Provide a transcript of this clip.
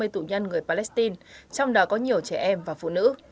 năm mươi tụ nhân người palestine trong đó có nhiều trẻ em và phụ nữ